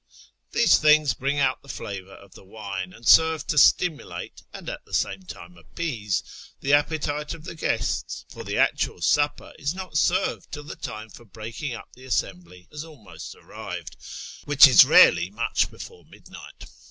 These things bring out the flavour of the wine, and serve to stimulate, and at the same time appease, the appetite of the guests, for the actual supper is not served till the time for breaking up the assembly has almost arrived, which is rarely much before midnight.